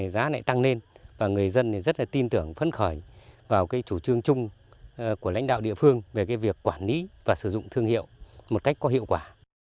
giá lại tăng lên và người dân rất là tin tưởng phấn khởi vào cái chủ trương chung của lãnh đạo địa phương về cái việc quản lý và sử dụng thương hiệu một cách có hiệu quả